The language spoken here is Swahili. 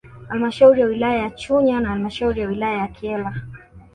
Halmashauri ya wilaya ya Chunya na halmashauri ya wilaya ya Kyela